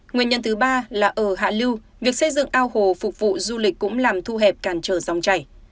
nguyên nhân thứ ba là ở hạ lưu việc xây dựng ao hồ phục vụ du lịch cũng làm thu hẹp càn trở dòng chảy